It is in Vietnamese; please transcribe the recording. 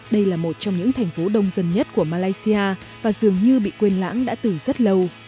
đây là một trong những thành phố đông dân nhất của malaysia và dường như bị quên lãng đã từ rất lâu